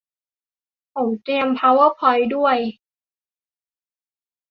ผมเตรียม พาวเวอร์พอยท์ ด้วย